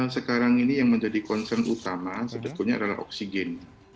sekarang ini yang menjadi concern utama sebetulnya adalah oksigen